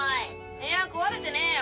いや壊れてねえよ。